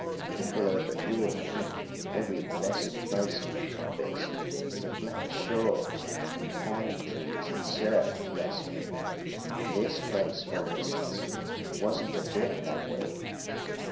People over here think every blessed place in the tropics is a flat shore and palm trees and surf, bless 'em! This place, for instance, wasn't a bit that way.